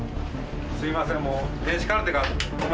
すいません。